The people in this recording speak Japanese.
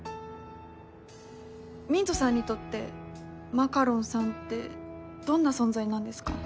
ミントさんにとってマカロンさんってどんな存在なんですか？